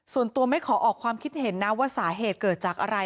ส่วนตัวไม่ขอออกความคิดเห็นนะว่าสาเหตุเกิดจากอะไร